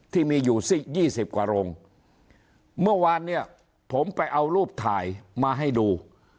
ที่มีอยู่สักยี่สิบกว่าโรงเมื่อวานเนี่ยผมไปเอารูปถ่ายมาให้ดู